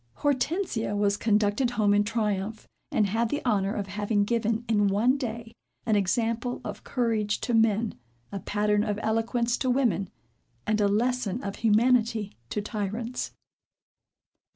Hortensia was conducted home in triumph, and had the honor of having given, in one day, an example of courage to men, a pattern of eloquence to women, and a lesson of humanity to tyrants.